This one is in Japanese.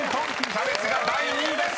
［「キャベツ」が第２位です。